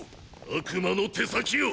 悪魔の手先よ。